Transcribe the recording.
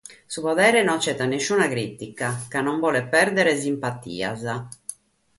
Su podere no atzetat nissuna crìtica, ca non bolet pèrdere simpatias.